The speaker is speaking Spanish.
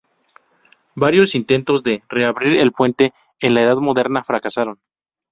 Varios intentos de reabrir el puente en la Edad Moderna fracasaron.